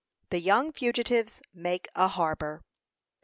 THE YOUNG FUGITIVES MAKE A HARBOR.